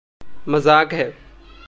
मज़ाक है।